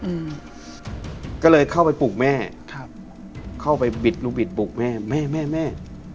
อืมก็เลยเข้าไปปลูกแม่ครับเข้าไปบิดลูกบิดปลูกแม่แม่แม่แม่